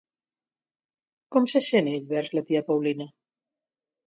Com se sent ell vers la tia Paulina?